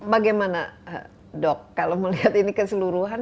bagaimana dok kalau melihat ini keseluruhan